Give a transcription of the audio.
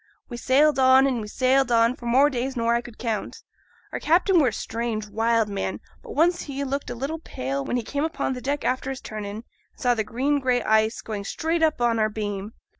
We sailed on, and we sailed on, for more days nor I could count. Our captain were a strange, wild man, but once he looked a little pale when he came upo' deck after his turn in, and saw the green gray ice going straight up on our beam.